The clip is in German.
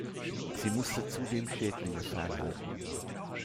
Sie musste zudem Schädlinge fernhalten.